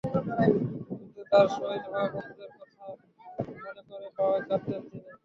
যুদ্ধে তাঁর শহীদ হওয়া বন্ধুদের কথা মনে করে প্রায়ই কাঁদতেন তিনি।